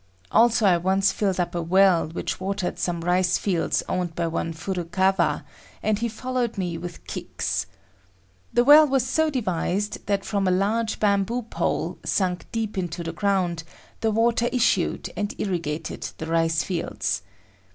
Also I once filled up a well which watered some rice fields owned by one Furukawa, and he followed me with kicks. The well was so devised that from a large bamboo pole, sunk deep into the ground, the water issued and irrigated the rice fields.